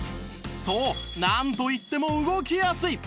そうなんといっても動きやすい！